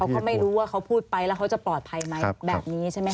ก็ไม่รู้ว่าเขาพูดไปแล้วเขาจะปลอดภัยไหมแบบนี้ใช่ไหมค